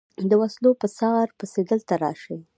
د وسلو په څار پسې دلته راشي.